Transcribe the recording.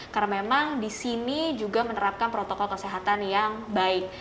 karena memang di sini juga menerapkan protokol kesehatan yang baik